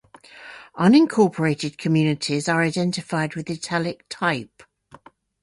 Unincorporated communities are identified with "italic" type.